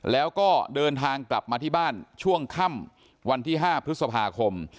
แล้วก็เดินทางกลับมาที่บ้านช่วงค่ำวันที่๕พฤษภาคม